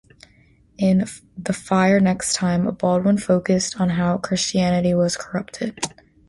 In "The Fire Next Time", Baldwin focused on how Christianity was corrupted.